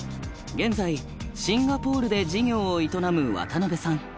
現在シンガポールで事業を営む渡辺さん。